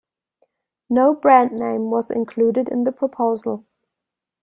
No brand name was included in the proposal.